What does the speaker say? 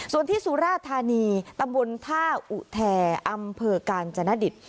ส่วนที่สุราธานีตำบลท่าอุแทอำเภอกาญจนดิต